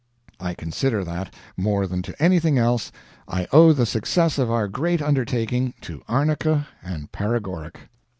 I consider that, more than to anything else, I owe the success of our great undertaking to arnica and paregoric.